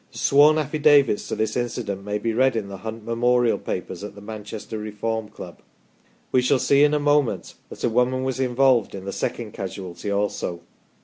The sworn affidavits to this incident may be read in the " Hunt Memorial " papers at the Manchester Reform Club. We shall see in a moment that a woman was involved in the second casualty also.